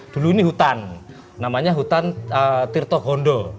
dulu ini hutan namanya hutan tirto gondo